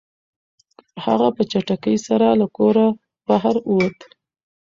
هغه په چټکۍ سره له کوره بهر ووت.